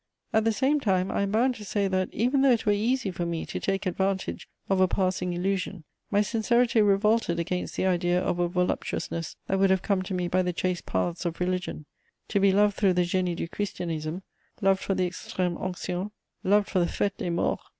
At the same time I am bound to say that, even though it were easy for me to take advantage of a passing illusion, my sincerity revolted against the idea of a voluptuousness that would have come to me by the chaste paths of religion: to be loved through the Génie du Christianisme, loved for the Extrème Onction, loved for the _Fête des Morts!